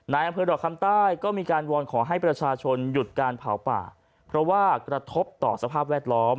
อำเภอดอกคำใต้ก็มีการวอนขอให้ประชาชนหยุดการเผาป่าเพราะว่ากระทบต่อสภาพแวดล้อม